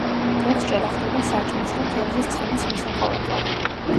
თევზჭერა ხდება საჭმლის და თევზის ცხიმის მოსაპოვებლად.